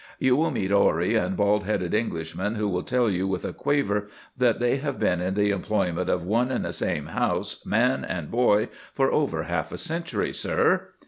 You will meet hoary and bald headed Englishmen who will tell you with a quaver that they have been in the employment of one and the same house, man and boy, for over half a century, sir!